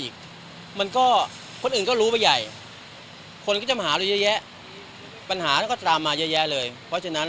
คนอื่นรู้ก็เยอะ